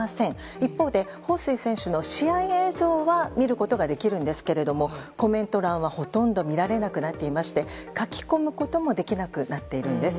一方でホウ・スイ選手の試合映像は見ることができるんですけれどもコメント欄は、ほとんど見られなくなっていまして書き込むこともできなくなっているんです。